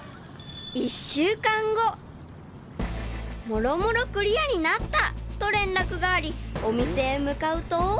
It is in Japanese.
［もろもろクリアになったと連絡がありお店へ向かうと］